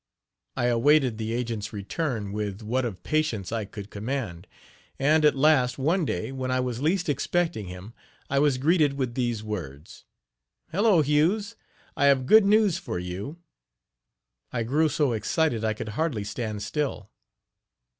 I awaited the agents return with what of patience I could command; and, at last, one day, when I was least expecting him, I was greeted with these words: "Hello, Hughes! I have good news for you." I grew so excited I could hardly stand. still.